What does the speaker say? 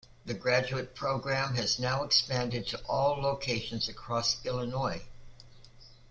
The graduate program has now expanded to all locations across Illinois.